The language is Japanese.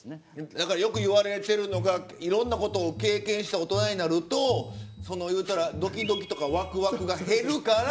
だからよく言われてるのがいろんなことを経験して大人になるというたらドキドキとかワクワクが減るから。